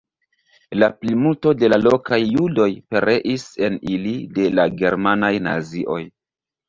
La plimulto de la lokaj judoj pereis en ili de la germanaj nazioj.